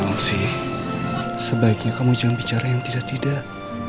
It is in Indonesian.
masih sebaiknya kamu jangan bicara yang tidak tidak